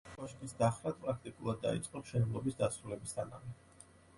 კოშკის დახრა პრაქტიკულად დაიწყო მშენებლობის დასრულებისთანავე.